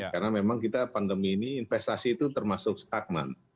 karena memang kita pandemi ini investasi itu termasuk stagnan